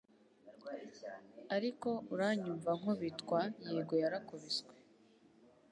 Ariko uranyumva nkubitwa yego yarakubiswe